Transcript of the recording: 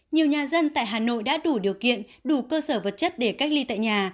nhiều nhà dân tại hà nội đã đủ điều kiện đủ cơ sở vật chất để cách ly tại nhà